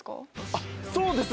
あっそうです。